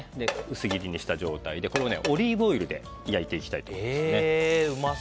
薄切りにした状態でオリーブオイルで焼いていきたいと思います。